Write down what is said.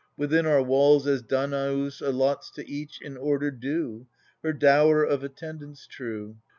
Within our walls, as Danaus Allots to each, in order due, Her dower of attendants true.